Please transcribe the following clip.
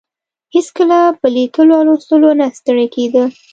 هېڅکله په لیکلو او لوستلو نه ستړې کیده.